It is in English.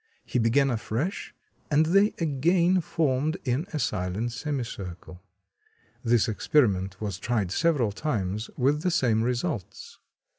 He began afresh, and they again formed in a silent semi circle. This experiment was tried several times with the same results."